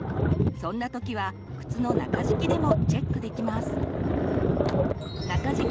そんな時は靴の中敷きでもチェックできます！